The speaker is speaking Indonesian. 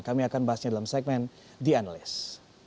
kami akan bahasnya dalam segmen the analyst